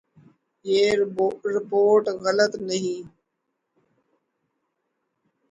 یہ رپورٹ غلط نہیں